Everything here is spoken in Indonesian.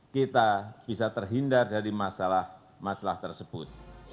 kita bisa terhindar dari masalah masalah tersebut